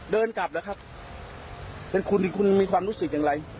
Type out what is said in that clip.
เดินกลับนะครับคุณมีความรู้สึกอย่างไร